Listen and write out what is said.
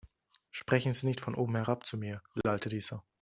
Sprechen Sie nicht von oben herab zu mir, lallte dieser.